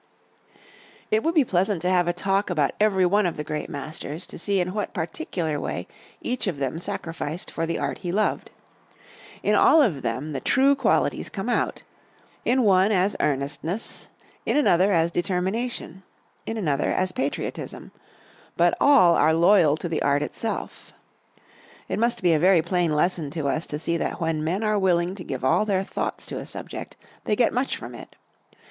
It would be pleasant to have a Talk about every one of the great masters to see in what particular way each of them sacrificed for the art he loved. In all of them the true qualities come out: in one as earnestness; in another as determination; in another as patriotism; but all are loyal to the art itself. It must be a very plain lesson to us to see that when men are willing to give all their thoughts to a subject they get much from it.